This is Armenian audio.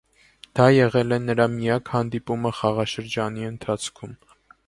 Դա եղել է նրա միակ հանդիպումը խաղաշրջանի ընթացքում։